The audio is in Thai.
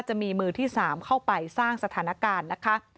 จะมีมือที่๓เข้าไปสร้างสถานการณ์นะคะ